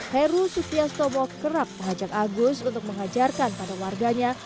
heru sutiastomo kerap mengajak agus untuk mengajarkan pada warganya